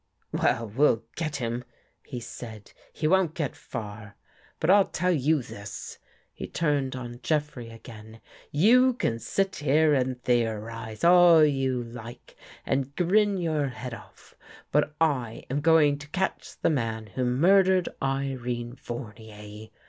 "Well, we'll get him," he said. "He won't get far. But I'll tell you this." He turned on Jeffrey again. " You can sit here and theorize all you like and grin your head off, but I am going to catch the man who murdered Irene Fournier.